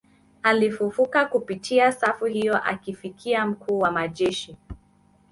Alifufuka kupitia safu hiyo akifikia mkuu wa majeshi